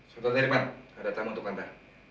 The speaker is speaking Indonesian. satu hari pak ada tamu untuk kandar